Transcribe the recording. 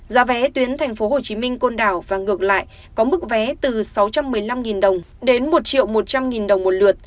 giá vé tuyến tp hcm côn đảo và ngược lại có mức vé từ sáu trăm một mươi năm đồng đến một một trăm linh đồng một lượt